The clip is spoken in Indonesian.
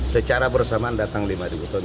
secara bersamaan datang lima ribu ton